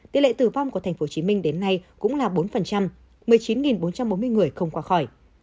tỷ lệ tử vong của tp hcm đến nay cũng là bốn một mươi chín bốn trăm bốn mươi người không qua khỏi